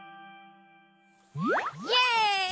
イエイ！